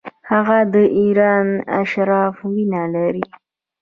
هغه د ایران اشرافو وینه لري.